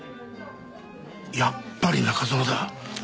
やっぱり中園だ！